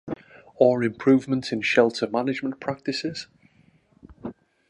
Or improvement in shelter management practices?